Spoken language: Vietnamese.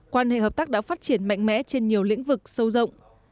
quan hệ hợp tác đã phát triển mạnh mẽ trên nhiều lĩnh vực sâu rộng